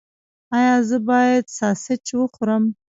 ایا زه باید ساسج وخورم؟